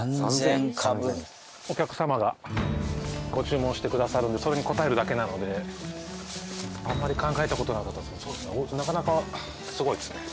お客様がご注文してくださるんでそれに応えるだけなのであんまり考えた事なかったですけどなかなかすごいですね。